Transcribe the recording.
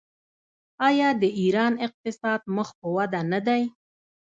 آیا د ایران اقتصاد مخ په وده نه دی؟